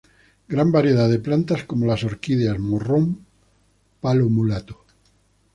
Gran variedad de plantas como la orquídeas, morrón, palo mulato.